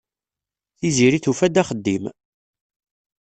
Tiziri tufa-d axeddim.